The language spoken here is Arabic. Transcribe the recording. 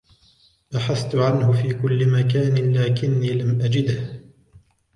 بحثت عنه في كل مكان لكني لم أجده.